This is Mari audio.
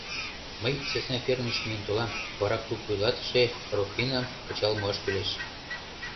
Мый сӧсна фермыш миен толам, вара клуб вуйлатыше Руфинам кычал муаш кӱлеш.